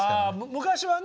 昔はね